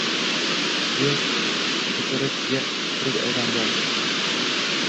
Yer tupurib-yer tupurib aylandi.